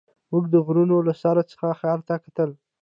موږ د غرونو له سر څخه ښار ته کتل.